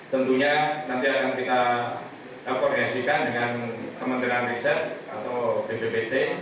tentunya nanti akan kita koordinasikan dengan kementerian riset atau bppt